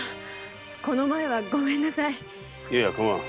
この前はごめんなさい。